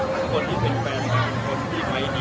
ถ้าคนที่เป็นแฟนกัลคนที่ใบดี๒๐๑๗